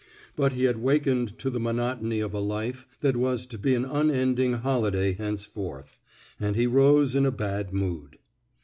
But he had wakened to the monotony of a life that was to be an un ending holiday henceforth; and he rose in a bad mood.